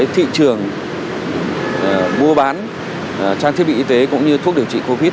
thị trường mua bán trang thiết bị y tế cũng như thuốc điều trị covid